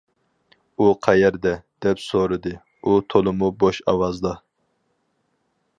-ئۇ قەيەردە؟ -دەپ سورىدى ئۇ تولىمۇ بوش ئاۋازدا.